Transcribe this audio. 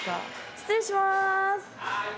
失礼します。